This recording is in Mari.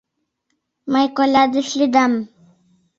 — Мый коля деч лӱдам.